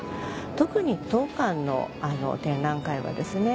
特に当館の展覧会はですね